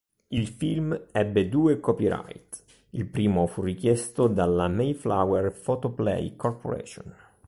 Il film ebbe due copyright: il primo fu richiesto dalla Mayflower Photoplay Corp.